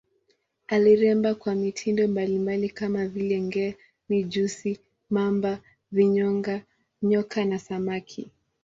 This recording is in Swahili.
Aliremba kwa mitindo mbalimbali kama vile nge, mijusi, mamba, vinyonga, nyoka na samaki.